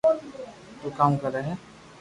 او ڪاو ڪري ھي